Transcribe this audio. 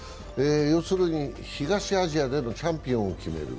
要するに東アジアでのチャンピオンを決める。